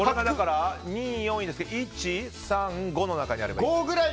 ２位、４位なので１、３、５の中にあればいい。